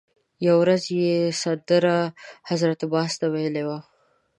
یوه ورځ یې سندرغاړي حضرت باز ته ویلي وو.